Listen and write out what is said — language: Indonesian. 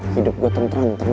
hidup gue tenang tenang tau gak